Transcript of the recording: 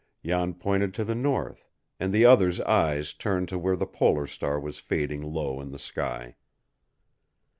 Jan pointed to the north, and the other's eyes turned to where the polar star was fading low in the sky.